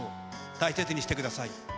大切にしてください。